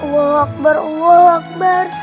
allahu akbar allahu akbar